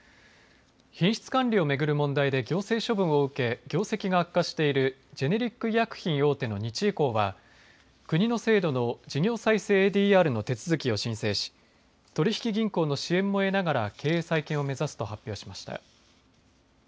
品質管理を巡る問題で行政処分を受け、業績が悪化しているジェネリック医薬品大手の日医工は、国の制度の事業再生ＡＤＲの手続きを申請し取引銀行の支援も得ながら経営再建を目指すと発表しました。